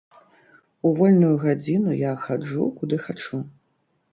У вольную гадзіну я хаджу куды хачу.